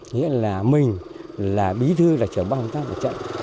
nghĩa là mình là bí thư là trở băng tác ở trận